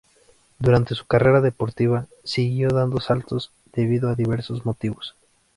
Durante su carrera deportiva, siguió dando saltos debido a diversos motivos.